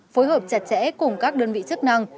phối hợp chặt chẽ cùng các đơn vị chức năng